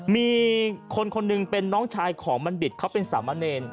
มีคนคนหนึ่งเป็นน้องชายของบัณฑิตเขาเป็นสามะเนร